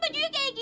aduh aduh aduh